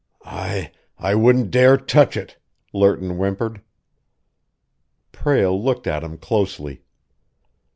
"I I wouldn't dare touch it," Lerton whimpered. Prale looked at him closely.